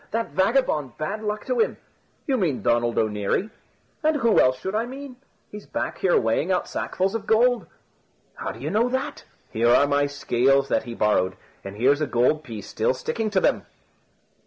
That vagabond, bad luck to him " "You mean Donald O'Neary?" "And who else should I mean? He's back here weighing out sackfuls of gold." "How do you know that?" "Here are my scales that he borrowed, and here's a gold piece still sticking to them."